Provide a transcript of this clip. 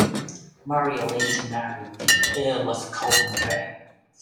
Maria later married the Earl of Coventry.